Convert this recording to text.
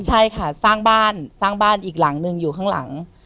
ใช่ค่ะสร้างบ้านสร้างบ้านอีกหลังหนึ่งอยู่ข้างหลัง